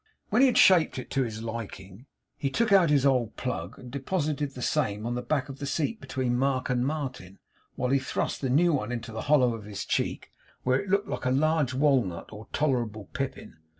When he had shaped it to his liking, he took out his old plug, and deposited the same on the back of the seat between Mark and Martin, while he thrust the new one into the hollow of his cheek, where it looked like a large walnut, or tolerable pippin.